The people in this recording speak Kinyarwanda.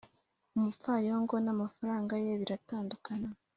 umupfayongo n'amafaranga ye biratandukana